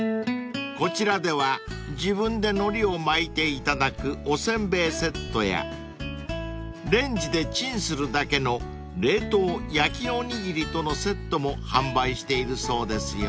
［こちらでは自分で海苔を巻いて頂くお煎餅セットやレンジでチンするだけの冷凍焼きおにぎりとのセットも販売しているそうですよ］